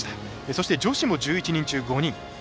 そして、女子も１１人中５人。